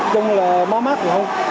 chúng là má má thì không